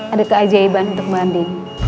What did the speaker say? ada keajaiban untuk bu andi